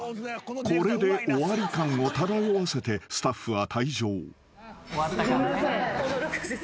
これで終わり感を漂わせてスタッフは退場］